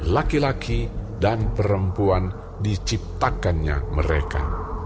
laki laki dan perempuan diciptakannya mereka